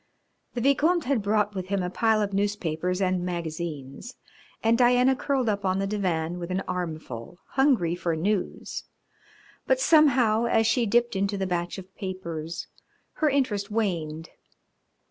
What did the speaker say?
The Vicomte had brought with him a pile of newspapers and magazines, and Diana curled up on the divan with an armful, hungry for news, but, somehow, as she dipped into the batch of papers her interest waned.